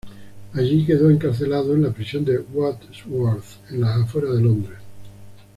Allí quedó encarcelado en la prisión de Wadsworth, en las fueras de Londres.